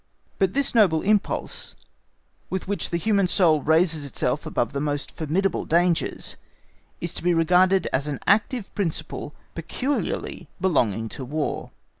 But this noble impulse, with which the human soul raises itself above the most formidable dangers, is to be regarded as an active principle peculiarly belonging to War.